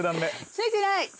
着いてない。